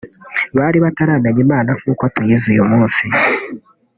bari bataramenya Imana nk’uko tuyizi uyu munsi